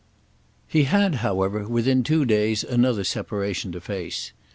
V He had, however, within two days, another separation to face.